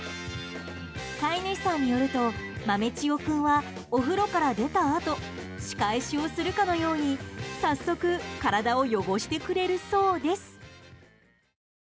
飼い主さんによると豆千代君は、お風呂から出たあと仕返しをするかのように早速体を汚してくれるそうです。